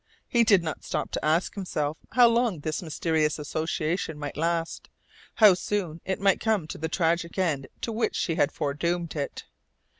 He did not stop to ask himself how long this mysterious association might last, how soon it might come to the tragic end to which she had foredoomed it.